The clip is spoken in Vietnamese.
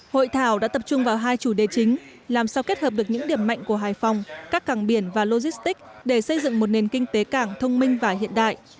hội thảo đã tập trung vào hai chủ đề chính làm sao kết hợp được những điểm mạnh của hải phòng các càng biển và logistics để xây dựng một nền kinh tế cảng thông minh và hiện đại